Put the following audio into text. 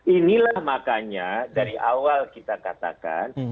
inilah makanya dari awal kita katakan